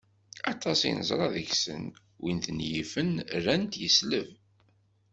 Aṭas i neẓra deg-sen, win ten-yifen rran-t yesleb